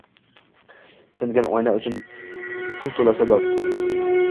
Singan oyna uchun pul to’lasa, bas».